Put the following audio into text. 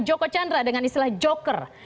joko chandra dengan istilah joker